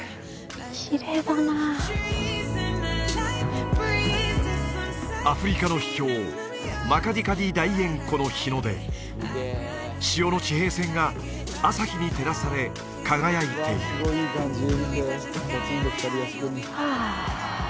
きれいだなアフリカの秘境マカディカディ大塩湖の日の出塩の地平線が朝日に照らされ輝いているはあ